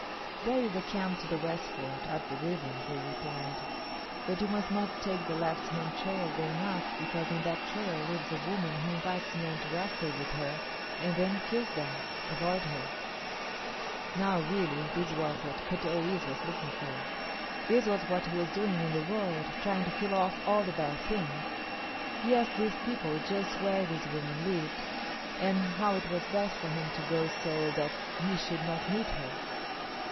"There is a camp to the westward, up the river," they replied; "but you must not take the left hand trail going up because on that trail lives a woman who invites men to wrestle with her and then kills them. Avoid her." Now, really, this was what Kut o yis´ was looking for. This was what he was doing in the world, trying to kill off all the bad things. He asked these people just where this woman lived and how it was best for him to go so that he should not meet her.